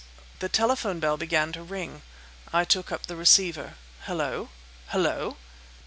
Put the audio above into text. The telephone bell began to ring. I took up the receiver. "Hullo! Hullo."